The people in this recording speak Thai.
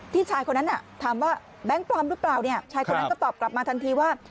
ชายคนนั้นถามว่าแบงค์ปลอมหรือเปล่าเนี่ยชายคนนั้นก็ตอบกลับมาทันทีว่า